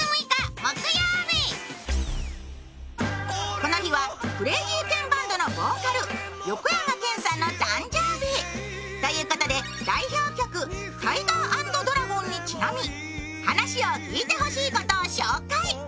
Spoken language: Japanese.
この日はクレイジーケンバンドのボーカル、横山剣さんのお誕生日ということで代表曲「タイガー＆ドラゴン」にちなみ話を聞いてほしいことを紹介。